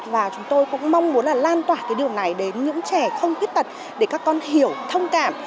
và chúng tôi cũng mong muốn là lan tỏa cái điều này đến những trẻ không khuyết tật để các con hiểu thông cảm